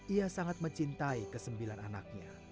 ia sangat mencintai kesembilan anaknya